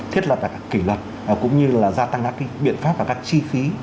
thiết lập kỷ luật cũng như là gia tăng các biện pháp và các chi phí